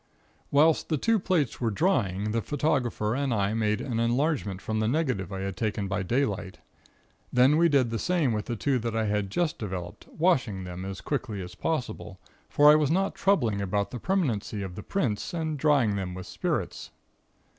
"Whilst the two plates were drying the photographer and I made an enlargement from the negative I had taken by daylight. Then we did the same with the two that I had just developed, washing them as quickly as possible, for I was not troubling about the permanency of the prints, and drying them with spirits.